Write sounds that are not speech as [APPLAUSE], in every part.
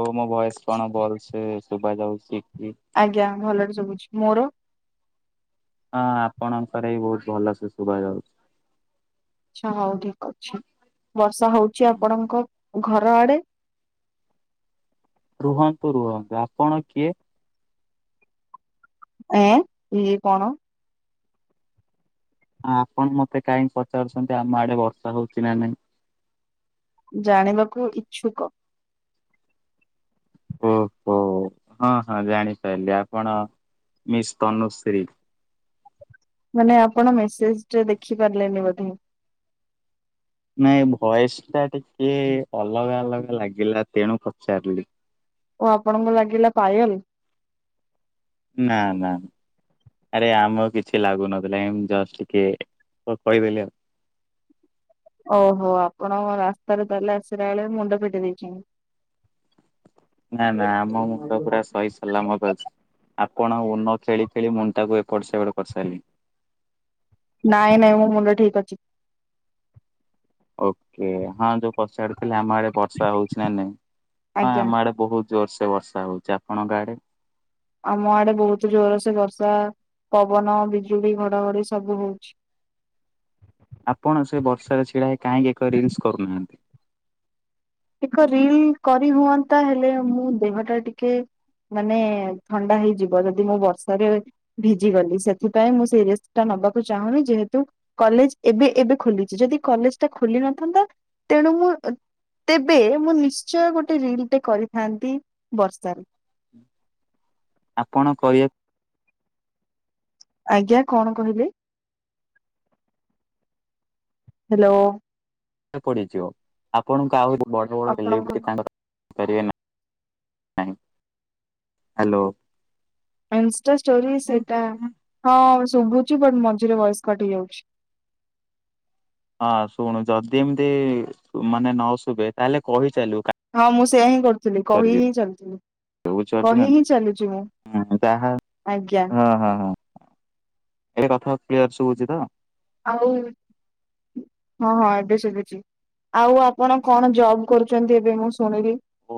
ଓଃ। ମୋ ଭଏସ୍ କଣ ଭଲସେ ଶୁଭା ଯାଉଛି କି? ଆଜ୍ଞା। ଭଲରେ ଶୁବୁଛି। ମୋର? ହଁ। ଆପଣଙ୍କର ବି ବହୁତ ଭଲସେ ଶୁଭା ଯାଉଛି। ଆଚ୍ଛା। ହଉ ଠିକ୍ ଅଛି। ବର୍ଷା ହଉଛି ଆପଣଙ୍କ ଘର ଆଡେ? ରୁହନ୍ତୁ, ରୁହନ୍ତୁ। ଆପଣ କିଏ? ଏଁ ଇଏ କଣ? ଆପଣ ମତେ କାହିଁକି ପଚାରୁଛନ୍ତି? ଆମ ଆଡେ ବର୍ଷା ହଉଛି ନା ନାଇଁ? ଜାଣିବାକୁ ଇଛୁକ। ଓହୋ। ହଁ, ହଁ, ଜାଣିପାରିଲି ଆପଣ ମିସ୍ ତନୁଶ୍ରୀ। ମାନେ ଆପଣ ମେସେଜଟା ଦେଖି ପାରିଲେନି ବୋଧେ? ନାଇଁ ଭଏସ୍ ଟା ଟିକେ ଅଲଗା ଅଲଗା ଲାଗିଲା। ତେଣୁ ପଚାରିଲି। ଓଃ। ଆପଣଙ୍କୁ ଲାଗିଲା ପାୟଲ? ନା ନା। ଆରେ ଆମକୁ କିଛି ଲାଗୁନଥିଲା। ଏମତି ଜଷ୍ଟ ଟିକେ କହିଦେଲି ଆଉ। ଓହୋ। ଆପଣଙ୍କ ରାସ୍ତାରେ ତାହାଲେ ଆସିଲା ବେଳେ ମୁଣ୍ଡ ଫିଟି ଦେଇଛନ୍ତି। ନା, ନା, ଆମ ମୁଣ୍ଡ ପୁରା ଶହି-ଶହି [UNINTELLIGIBLE] ଲାମ ଆପଣ ଓନ ଖେଳି ଖେଳି ମୁଣ୍ଡଟାକୁ ଏପଟେ ସେ ଏପଟେ କରିସାରିଲେଣି। ନାଇଁ-ନାଇଁ। ମୋ ମୁଣ୍ଡ ଠିକ ଅଛି। ଓକେ। ହଁ ଯୋଉ ପଚାରୁଥିଲେ ଆମ ଆଡେ ବର୍ଷା ହଉଛି ନା ନାଇଁ। ହଁ ଆଜ୍ଞା ଆମ ଆଡେ ବହୁତ ଜୋରସେ ବର୍ଷା ହଉଛି। ଆପଣଙ୍କ ଆଡେ? ଆମ ଆଡେ ବହୁତ ଜୋରସେ ବର୍ଷା, ପବନ, ବିଜୁଳି, ଘଡଘଡି ସବୁ ହଉଛି। ଆପଣ ସେ ବର୍ଷା ଛିଡା ହେଇକି, କାହିଁକି ଏକ ରିଲସ କରୁନାହାନ୍ତି? ଏକ ରିଲ କରି ହୁଅନ୍ତା, ହେଲେ ମୁଁ ଦେହ ଟା ଟିକେ ମାନେ ଥଣ୍ଡା ହେଇଯିବ, ଯଦି ମୁଁ ବର୍ଷାରେ ଭିଜି ଗଲି, ସେଥିପାଇଁ ମୁଁ ସେଇ ରିକ୍ସ ଟା ନବାକୁ ଚାହୁଁନି, ଯେହେତୁ କଲେଜ ଏବେ ଏବେ ଖୋଲିଛି, ଯଦି କଲେଜ ଟା ଖୋଲି ନଥାନ୍ତା ତେଣୁ ମୁଁ ତେବେ ମୁଁ ନିଶ୍ଚୟ ଗୋଟେ ରିଲ ଟେ କରିଥାନ୍ତି ବର୍ଷାରେ। ଆପଣ କହିବାକୁ ଆଜ୍ଞା କଣ କହିଲେ। ହ୍ୟାଲୋ ପଡିଯିବ ଆପଣଙ୍କୁ ଆଉ ବଡ ବଡ ହେଲେ ଆପଣଙ୍କ ତାଙ୍କ [UNINTELLIGIBLE] ହ୍ୟାଲୋ। ଇନଷ୍ଟା ଷ୍ଟୋରି ସେଇଟା, ହଁ ଏବେ ଶୁଭୁଛି ବଟ୍ ମଝିରେ ଭଏସ କଟ୍ ହେଇଯାଉଛି। ହଁ ଶୁଣୁ ଯଦି ଏମିତି ମାନେ ନ ଶୁଭେ, ତାହେଲେ କହିଚାଲୁ ହଁ ମୁଁ ସେଇଆ ହିଁ କରୁଥିଲି, କହି ହିଁ ଚାଲିଥିଲି। [UNINTELLIGIBLE] କହି ହିଁ ଚାଲୁଛି ମୁଁ ହଁ ଆଜ୍ଞା ହଁ ହଁ। ଏବେ କଥା ଆଉ କ୍ଲିୟର୍ ଶୁଉଛି ତ? ଆଉ। ହଁ ହଁ ଏବେ ସୁବୁଛି। ଆଉ ଆପଣ କଣ ଜବ୍ କରୁଛନ୍ତି ଏବେ ମୁଁ ଶୁଣିଲି। ଓ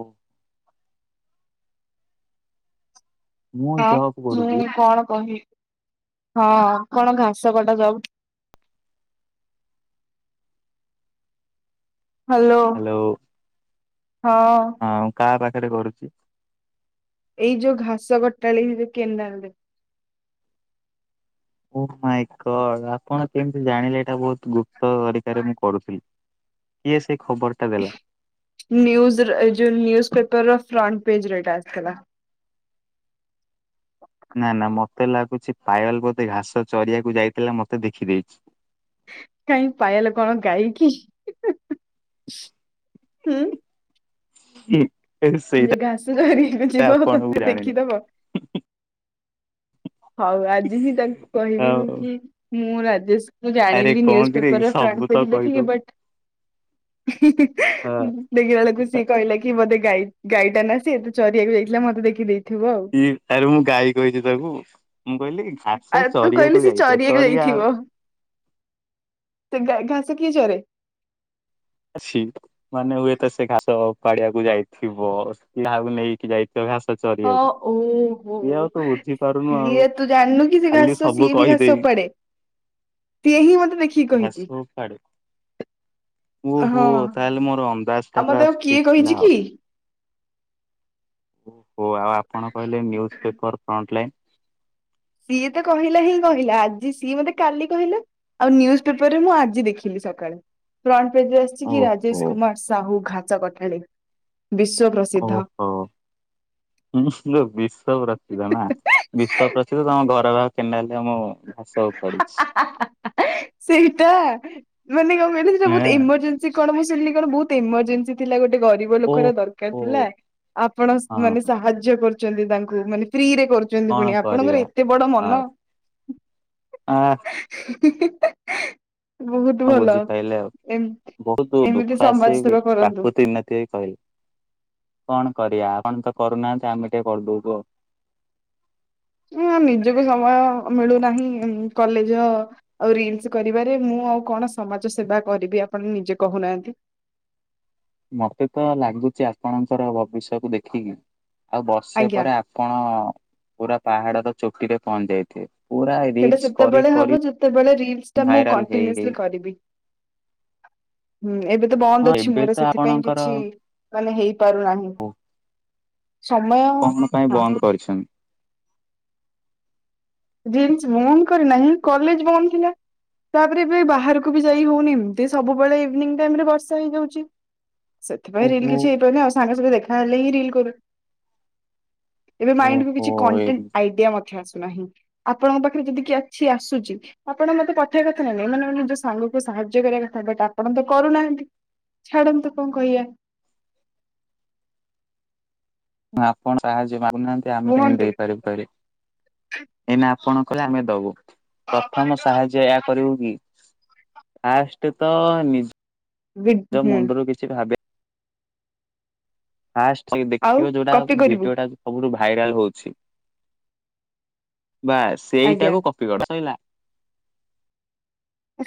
ମୁଁ ହଁ ଜବ୍ କରୁଛି ମୁଁ କଣ କହିବି। ହଁ କଣ ଘାସ କଟା ଯାଉ ହ୍ୟାଲୋ ହଉ। ହଁ। ହଁ ମୁଁ କାହା ପାଖରେ କରୁଛି? ଏଇ ଯୋଉ ଘାସ କଟାଳି ଯୋଉ କେନାଲ ରେ। ଓ ମାଇ ଗଡ୍, ଆପଣ କେମିତି ଜାଣିଲେ, ଏଇଟା ବହୁତ ଗୁପ୍ତ ତରିକାରେ ମୁଁ କରୁଥିଲି? କିଏ ସେଇ ଖବର ଟା ଦେଲା? ନି୍ଉଜର ଏ ଯୋଉ ନ୍ୟୁଜ୍ ପେପର ର ଫ୍ରଣ୍ଟ ପେଜର ଏଇଟା ଆସିଥିଲା। [INAUDIBLE] ନା ନା ମତେ ଲାଗୁଛି, ପାାୟଲ ବୋଧେ ଘାସ ଚରିବାକୁ ଯାଇଥିଲା ମତେ ଦେଖିଦେଇଛି। କାହିଁ ପାଇଲେ କଣ ଗାଇକି? ହୁଁ? ହୁଁ। ଯେ ଘାସ ଚରିବାକୁ ଯିବ ଆପଣଙ୍କୁ ତତେ ଜାଣିଲି ଦେଖିଦବ। ହଉ ଆଜି ହିଁ ତାକୁ କହିବି ମୁଁ ଆଉ କି, ମୁଁ ରାଜେଶ ମୁଁ ଆରେ ଜାଣିଲି କଣ ନ୍ୟୁଜ୍ କିରେ ପେପର ର ଫ୍ରଣ୍ଟ ସବୁ ତ ପେଜ ଦେଖିକି, କହିଦବୁ। ବଟ୍ ହଁ ଦେଖିଲା ବେଳକୁ ସିଏ କହିଲା କି ବୋଧେ ଗାଇ-ଗାଈଟା ନା ସେ, ତ ଚରିବାକୁ ଯାଇଥିଲା ମତେ ଦେଖି ଦେଇଥିବ ଆଉ। ଏ ଆରେ ମୁଁ ଗାଈ କହିଛି ତାକୁ, ମୁଁ କହିଲି ଘାସ ଆଉ ତୁ କହିଲୁ ଚରିିବାକୁ ସେ ଯାଇଥିବ। ଚରିବାକୁ ଚରିଆ ଯାଇଥିବ ତ ଗା-ଘାସ କିଏ ଚରେ? ଆରେ ସେ, ମାନେ ହୁଏତ ସେ ଘାସ ଉପାଡିବାକୁ ଯାଇଥିବ, ନା କାହାକୁ ନେଇକି ଯାଇ ହଁ ଓ ଆଉ ତୁ ବୁଝିପାରୁନୁ ହୋ। ଆଉ ଏ ତୁ ଜାଣିନୁ କି ସେ ଖାଲି ଘାସ ତ ସବୁ ସିଏ ବି ଘାସ କହିଦେବି ଉପାଡେ। [INAUDIBLE] ସିଏ ହିଁ ମତେ ଦେଖିକି କହିଛି। ଉପାଡୁ। ଓହୋ ହଁ ତାହେଲେ ମୋର ଅନ୍ଦାଜ ଆଉ ଟା ମତେ ପୁରା ଆଉ ଠିକ କିଏ କହିଛି ଥିଲା କି? ଆଉ। ଓହୋ ଆଉ ଆପଣ କହିଲେ ନ୍ୟୁଜ ପେପର ଫ୍ରଣ୍ଟ ଲାଇନ? ସିଏତ କହିଲାହିଁ କହିଲା ଆଜି ସିଏ ମତେ କାଲି କହିଲା। ଆଉ ନ୍ୟୁଜ ପେପରରେ ମୁଁ ଆଜି ଦେଖିଲି ସକାଳେ। ଫ୍ରଣ୍ଟ ପେଜରେ ଆସିଛିକି ଓହୋ ରାଜେଶ କୁମାର ସାହୁ ଘାସ କଟାଳି ବିଶ୍ୱ ପ୍ର ଓହୋ [UNINTELLIGIBLE] ବିସ୍। ବିଶ୍ୱ ପ୍ରସିଦ୍ଧନା ବିଶ୍ୱ ପ୍ରସିଦ୍ଧ ତମ [UNINTELLIGIBLE] କେନାଲ ଆମ ଘାସ ହା ଉପାଡୁଛି ହା ହା ହା ସେଇଟା ମାନେ କଣ କହିଲ ସେସବୁ ବହୁତ ହେଁ ଏମର୍ଜେନ୍ସି କଣ ମୁଁ ସୁଣିଲି କଣ ବହୁତ ଏମର୍ଜେନ୍ସି। ଥିଲା ଗୋଟେ ଗରିବ ଓ ଲୋକର ଓ ଦରକାରଥିଲା ଆପଣ ମାନେ ହଁ ସାହାଯ୍ୟ କରୁ ତାଙ୍କୁ ମାନେ ଫ୍ରିରେ କରୁଛନ୍ତି କଣ ପୁଣି କରିବା ଆପଣଙ୍କର ଏତେ ବଡ ମନ [UNINTELLIGIBLE] ହିଁ ହିଁ ହେଁ ହେଁ ହଁ ବୁଝିପାରଲେ ଆଉ ବହୁତ ଏମିତି ଦୁଃଖ ସମାଜ ଆସିକି ସେବା କରନ୍ତୁ। କାକୁତି ମିନତି ହେଇ କହିଲେ। କଣ କରିବା ଆପଣତ କରୁନାହାନ୍ତି ଆମେ ଟିକେ କରିଦବୁ ଆଉ ଉଁ ନିଜକୁ ସମୟ ମିଳୁନାହିଁ କଲେଜ ଆଉ ରିଲସ କରିବାରେ ମୁଁ ଆଉ କଣ ସମାଜ ସେବା କରିବି ଆପଣ ନିଜେ କହୁନାହାନ୍ତି? ମତେତ ଲାଗୁଚ ଆପଣଙ୍କର ଭବିଷ୍ୟକୁ ଦେଖିକି ଆଉ ବର୍ଷେ ଆଜ୍ଞା ପରେ ଆପ ଆପଣ ପୁରା ପାହାଡର ଚୂଟିରେ ପହଞ୍ଚିଯାଇ ପୁରା ସେଇଟା ରିଲ୍ସ କରି ସେତେବେଳେ ହବ କରି ଯେତେବେଳେ ରିଲସ ଟା ମୁଁ ଭାଇରାଲ ହେଇ ହେଇ କଣ୍ଟିନ୍ୟୁସଲି କରିବି। ହୁଁ ଏବେତ ବନ୍ଦ ହଁ ଅଛି ଏବେ ମୋର ତ ସେଥିପାଇଁ ଆପଣଙ୍କର କିଛି ମାନେ ହେଇପାରୁନାହିଁ। ସମୟ ହଁ। କରିଛନ ରିଲସ ମମ କରିନାହିଁ କଲେଜ ବନ୍ଦଥିଲା। ତାପରେ ଏବେ ବାହାରକୁବି ଯାଇ ହଉନି ଏମତି ସବୁବେଳେ ଇଭିନିଙ୍ଗ ଟାଇମରେ ବର୍ଷା ହେଇଯାଉଛି। ସେଥିପାଇଁ ରିଲ ଓହୋ କିଛି ହେଇପାରୁନି ଆଉ ସାଙ୍ଗ ସହିତ ଦେଖାହେଲେହିଁ ରିଲ କରୁ। ଏବେ ମାଇଣ୍ଡକୁ ଓହୋ କିଛି କଣ୍ଟେନ ଆଇଡିଆ ମଧ୍ୟ ଆସୁନାହିଁ। ଆପଣଙ୍କ ପାଖରେ ଯଦି କିଏ ଅଛି ଆସୁଛି। ଆପଣ ମତେ ପଠେଇବା କଥାନା ନାଇଁ ମାନେ ନିଜ ସାଙ୍ଗକୁ ସାହାଯ୍ୟ କରିବା କଥା ବଟ ଆପଣତ କରୁନାହାନ୍ତି। ଛାଡନ୍ତୁ କଣ କହିବା? ଆପଣ ସାହାଯ୍ୟ ମାଗୁନାହାନ୍ତି ଆମେ କେମିତି କୁହନ୍ତୁ ଦେଇପାରିବୁ କହିଲେ। ଏଇନା ଆପଣ କହିଲେ ଆମେ ଦବୁ ପ୍ରଥମ ସାହାଯ୍ୟ ଏହା କରିବୁକି। ଫାଷ୍ଟେତ ନିଜ ନିଜ ହୁଁ ମୁଣ୍ଡରୁ କିଛି ଭାବେ। ଫାଷ୍ଟେ ଆଉ ଦେଖିବ ଯୋଉଟା କପି କରିବୁ ଭିଡିଓଟା ସବୁଠୁ ଭାଇରାଲ ହଉଛି ବାସ ଆଜ୍ଞା ସେଇଟାକୁ କପିକର କଥା ସଇଲା।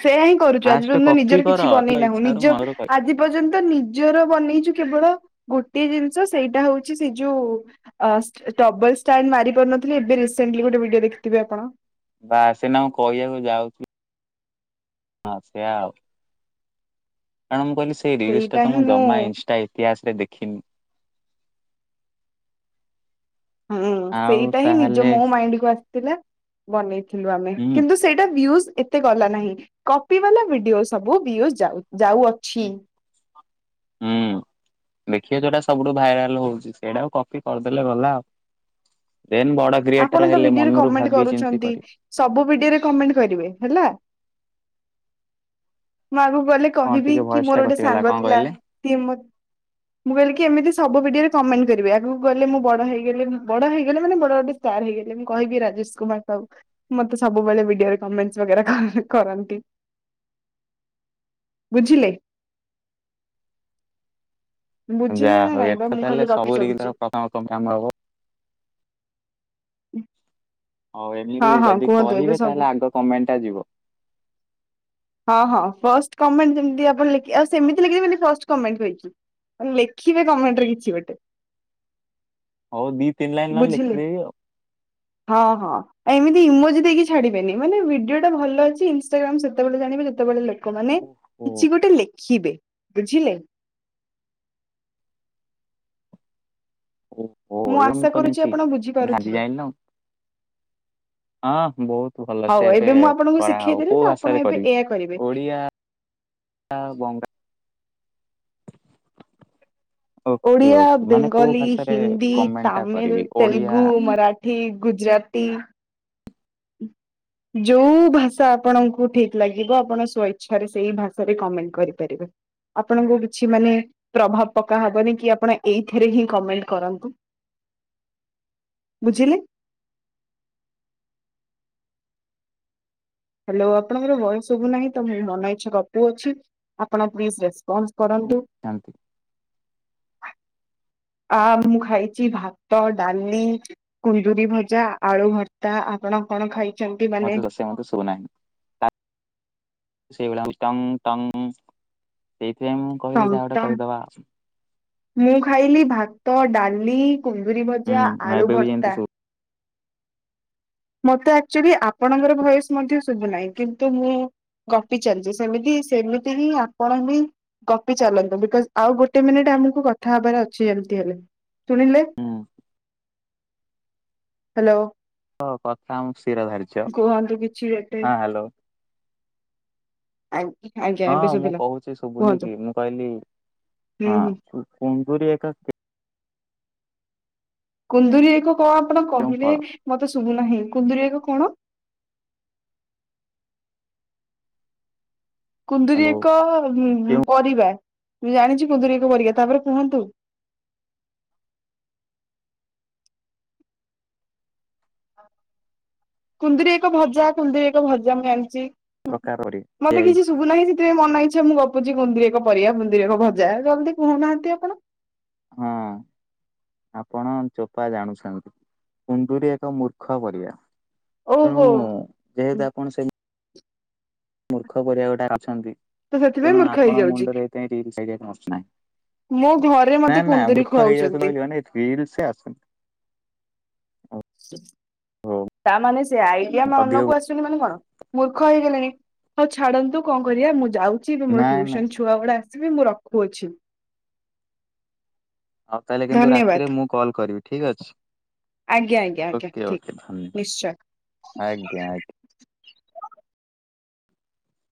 ସେଇଆହିଁ କରୁଛୁ ଆଜି ଫାଷ୍ଟ ପର୍ଯ୍ୟନ୍ତ କପି ନିଜର କର କିଛି ତୋ ବନେଇନାହୁଁ ଇଚ୍ଛାରୁ ନିଜ ମନରୁ କହିବ। ଆଜି ଏପର୍ଯ୍ୟନ୍ତ ନିଜର ବନେଇଛୁ କେବଳ ଗୋଟିଏ ଜିନିଷ ସେଇଟା ହଉଛି ସେ ଯୋଉ ଆସ ଡବଲଷ୍ଟାଣ୍ଡ ମାରି ପାରୁନଥିଲି ଏବେ ରିସେଣ୍ଟଲି ଗୋଟେ ଭିଡିଓ ଦେଖିଥିବେ ଆପଣ। ବାସ ସେଦିନ ମୁଁ କହିବାକୁ ଯାଉଥିଲି। ହଁ ସେଇଆ ଆଉ କାରଣ ମୁଁ କହିଲି ସେ ଏଇ ସେଇଟା ରିଲସଟାତ ମୁଁ ହିଁ ଜମା ଇନଷ୍ଟା ଇତିହାସରେ ଦେଖିନି। ହୁଁ ଆଉ ସେଇଟାହିଁ ନିଜ ତାହେଲେ ମୋ ମାଇଣ୍ଡକୁୁ ଆସିଥିଲା ବନେଇଥିଲୁ ଆମେ ହୁଁ କିନ୍ତୁସୁ ସେଇଟା ଭିଉଜ ଏତେ ଗଲାନାହିଁ କପି ବାଲା ଭିଡିଓ ସବୁ ଭିଉଜ ଯାଉ ଯାଉଅଛି। ଉୁଁ। ଦେଖିବା ଯୋଉଟା ସବୁଠୁ ଭାଇରାଲ ହଉଛି ସେଇଡାକ କପି କରିଦେଲେ ଗଲା ଆଉ ଦେନ୍ ବଡକ। ଆପଣ ତ ଭିଡିଓରେ କମେଣ୍ଟ କରୁଛନ୍ତି। ସବୁ ଭିଡିଓରେ କମେଣ୍ଟ କରିବେ ହେଲା ମୁଁ ଆଗକୁ ଗଲେ କଣ କହିବି ଟିକେ କି ଭଏସ ଟା ମୋର ଗୋଟେ କଟିଗଲା ସାଙ୍ଗ କଣ ଥିଲା କହିଲେ? ସିଏ ମ ମୁଁ କହିଲି କି ଏମିତି ସବୁ ଭିଡିଓରେ କମେଣ୍ଟ କରିବେ ଆଗକୁ ଗଲେ ମୁଁ ବଡ ହେଇଗଲେ ବଡ ହେଇଗଲେ ମାନେ ବଡ ଗୋଟେ ଷ୍ଟାର୍ର ହେଇଗଲେ ମୁଁ କହିବି ରାଜେଶ କୁମାର ସାହୁୁ। ମତେ ସବୁବେଳେ ଭିଡିଓରେ କମେଣ୍ଟ ବଗେରା କରନ୍ତି। ଆ ବୁଝିଲେ। ବୁଝିଲେ ଯାହା ନା ହଉ ନାଇଁ ବା ଏଥେ ମୁଁ ଖାଲି ତାହେଲେ ଗପି ସବୁ ଚାଲିଛି ରିଲରେ ପ୍ରଥମ ତମେ ଆମର ହବ। ହ ହଉ ଏମିତି ଯଦି କହିବେ ସବୁ ତାହେଲେ ଆଗ କମେଣ୍ଟ ଟା ଯିବ। ହଁ ହଁ ଫର୍ଷ୍ଟ କମେଣ୍ଟ ଯେମିତି ଆପଣ ଲେଖି ଆଉ ସେମିତି ଲେଖିବେ ଫାଷ୍ଟ କମେଣ୍ଟ କହିଛି। ଲେଖିବେ କମେଣ୍ଟ ରେ କିଛି ଗୋଟେ। ହଉ ଦି ତିି ଲାଇନ୍ ବୁଝିଲେ ଲେଖିଦେବି ଆଉ। ହଁ ହଁ। ଆ ଏମତିଇମୋଜ ଦେଇକି ଛାଡିବେନି ମାନେ ଭିଡିଓ ଟା ଭଲ ଅଛି ଇନଷ୍ଟାଗ୍ରାାମ ସବୁ ଯେତେବେଳେ ଜାଣିବେ ଯେତେବେଳେ ଲୋକମାନେ ଆଉ। ଓହୋ କିଛି ଗୋଟେ ଲେଖିବେ ବୁଝିଲେ। ଓହୋ ଏରା ମୁଁ ଆଶା କଣ କରୁଛି ଆପଣ ଜାଣିଛି ଆଜି ବୁଝିପାରୁଥିବେ ଯାଣିଲି ନା। ହଁ ବହୁତ ଭଲ ହଉ ସେ ଏବେ ମୁଁ ଆପଣଙ୍କୁ କରାହବ ଶିଖେଇଦେଲି କୋଉ ତ ଆପଣ ଭାଷାାରେ ଏବେ କରିବି ଏଇଆ କରିବେ ଓଡିଆ ତା ବଙ୍ଗା ଓକେ ଓଡ଼ିଆ ଓକେ ମାନେ କୋଉ ବେଙ୍ଗଲୀ ଭାଷାରେ ହିନ୍ଦୀ କମେଣ୍ଟ ଟା ତାମିଲ କରିବି ଓଡିଆ ତେଲୁଗୁ ମରାଠ ଠି ଗୁଜୁରତି ଉଁ। ଯୋଉ ଭାଷା ଆପଣଙ୍କୁ ଠିକ ଲାଗିବ ଆପଣ ସ୍ଵ ଇଛାରେ ସେଇ ଭାଷାରେ କମେଣ୍ଟ କରିପାରିବେ। ଆପଣଙ୍କୁ କିଛି ମାନେ ପ୍ରଭାବ ପକା ହବନି କି ଆପଣ ଏଇଥିରେ ହିଁ କମେଣ୍ଟ କରନ୍ତୁ। ହ ବୁଝିଲେ। ହ୍ୟାଲୋ ଆପଣଙ୍କର ଭୟସ ଶୁବୁ ନାହିଁ ତ ମୁ ମନ ଇଚ୍ଛା ଗପୁ ଅଛି। ଆପଣ ପ୍ଲିଜ୍ ରେସ୍ପନ୍ସ କରନ୍ତୁ। ଆ। ଆ ମୁଁ ଖାାଇଛି ଭାତ ଡାଲି। କୁନ୍ଦୁରିୀ ଭଜା ଆଳୁ ଭର୍ତ୍ତା ଆପଣ କଣ ଖାଇ ମତେ ତ ସେମିତି ସୁବୁ ନାହି। ସେଇଭଳିଆ ଟଙ୍ଗ ଟଙ୍ଗ ସେଇଥି ପାଇଁ ମୁଁ ଟ କହିଲି ଗ ଯାହା ଗୋଟେ ଟଙ୍ଗ କହିଦବା ମୁଁ ଖାଇଲି ଭାତ ଡାଲି କୁନ୍ଦରିୀ ହୁଁ ଭଜା ହଁ, ଆଳୁ ଏବେ ବି ଯେମିତି ଭତ୍ତା। ଶୁଭୁ ମତେ ଆକଚୁଲି ଆପଣଙ୍କର ଭୟସ ମଧ୍ୟ ଶୁଭୁନାହିଁ କିନ୍ତୁ ମୁଁ ଗପି ଚାଲିଛି ସେମିତି ସେମିତି ହିଁ ଆପଣ ହିଁ ଗପି ଚାଲନ୍ତୁ ବିକଜ ଆଉ ଗୋଟେ ମିନିଟ ଆମକୁ କଥା ହବାର ଅଛି ଯେମିତି ହେଲେ ଶୁଣିଲେ। ହ ହ୍ୟାଲୋ। ହଁ କଥା ମୁଁ ଶିର ଧାରିଛି। କୁହନ୍ତୁ କିଛି ଗୋଟେ ଆ ଆଜ୍ଞା ହଁ ଏବେ ମୁଁ ଶୁଭିଲା କହୁଛି ଶୁଭୁନି କୁହନ୍ତୁ କି ମୁଁ କହିଲି ହୁଁ ହଁ ହୁଁ କୁୁନ୍ଦୁରି ଏକ କୁନ୍ଦୁରି ଏକ କଣ ଆପଣ କେଉଁ କହିଲେ ଫଳ ମତେ ଶୁଭୁନାହିଁ କୁନ୍ଦୁରି ଏକ କଣ? କୁନ୍ଦୁରି ହ୍ୟାଲୋ ଏକ କେଉଁ ପରିବା ଜାଣିଛ କୁନ୍ଦୁରି ଏକ ପରିବା ତାପରେ କୁହନ୍ତୁ? କୁନ୍ଦିରି ଏକ ଭଜା କୁନ୍ଦୁରି ଏକ ଭଜା ମୁଁ ଆଣିଛି ପ୍ରକାରରେ ମତେ କିଛି ଦିଆଯାଇଛି ଶୁଭୁନାହିଁ। ରେ ମନ ଇଚ୍ଛା ମୁଁ ଗପୁଛି କୁନ୍ଦିରି ଏକ ପରିବା ଗୁନ୍ଦିରି ଏକ ଭଜା ଜଲ୍ଦି କହୁନାହାନ୍ତି ଆପଣ। ହଁ। ଆପଣ ଚୋପା ଜାଣୁଛନ୍ତି କୁନ୍ଦୁରି ଏକ ମୂର୍ଖ ପରିଆ। ଓହୋ। ଯେହେତୁ ଆପଣ ସେମି ମୂର୍ଖ ପରିବା ଗୋଟେ ଅଛନ୍ତି ତ ସେଥିପାଇଁ ତେଣୁ ମୂର୍ଖ ଆପଣ ହେଇଯାଉଛି। ମୁଣ୍ଡରେ ଏନାହିଁ ମୋ ଘରେ ନା ମତେ ନା କୁନ୍ଦୁରି ମୂର୍ଖ ଖୁଆଉଛନ୍ତି ହେଇଯାଉଛନ୍ତି ବୋଲିିବ ଏଲ୍ ସେ ଆସଛନ୍ତି। ଓହୋ ତା ମାନେ ସେ ଆଇଟିଆ ଅଧିକ ମନକୁ ଆ କଣ ମୂର୍ ହେଇଗଣି ହଉ ଛାଡନ୍ତୁ କଣ କରିବା ମୁଁ ଯାଉଛି ବୁ- ନାଇଁ ମୋର ନାଇଁ ଛୁଆ ଗୁଡା ଆସିବେ ମୁଁ ରଖୁଅଛି। ହଉ ତାହେଲେ କିନ୍ତୁ ଧନ୍ୟବାଦ ରାତିରେ ମୁଁ କଲ୍ କରିବି ଠିକ୍ ଅଛି। ଆଜ୍ଞା ଆଜ୍ଞା ଆଜ୍ଞା ଓକେ ଠିକ ଓକେ ନିଶ୍ଚୟ। ଧନ୍ୟବାଦ ଆଜ୍ଞା ଆଜ୍ଞା।